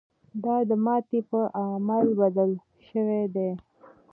دا د ماتې په عامل بدل شوی دی.